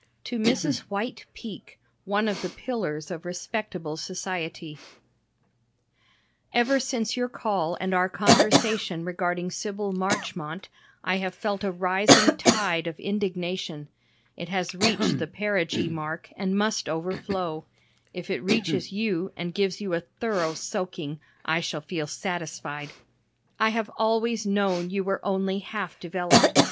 To Mrs. White Peak One of the Pillars of Respectable Society Ever since your call and our conversation regarding Sybyl Marchmont, I have felt a rising tide of indignation. It has reached the perigee mark and must overflow. If it reaches you and gives you a thorough soaking, I shall feel satisfied. I have always known you were only half developed.